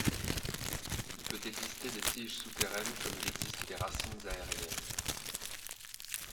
Il peut exister des tiges souterraines comme il existe des racines aériennes.